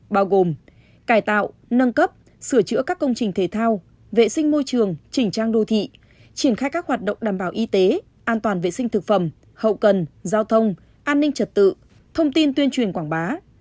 bao gồm cải tạo nâng cấp sửa chữa các công trình thể thao vệ sinh môi trường chỉnh trang đô thị triển khai các hoạt động đảm bảo y tế an toàn vệ sinh thực phẩm hậu cần giao thông an ninh trật tự thông tin tuyên truyền quảng bá